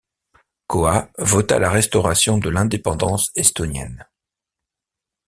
Koha vota la restauration de l'indépendance estonienne.